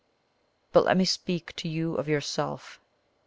But let me speak to you of yourself.